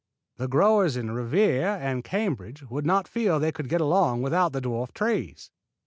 The growers in Revere and Cambridge would feel they could not get along without the dwarf trees.